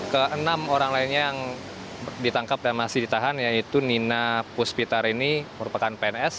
ke enam orang lainnya yang ditangkap dan masih ditahan yaitu nina puspitarini merupakan pns